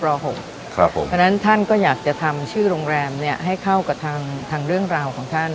เพราะฉะนั้นท่านก็อยากจะทำชื่อโรงแรมให้เข้ากับทางเรื่องราวของท่าน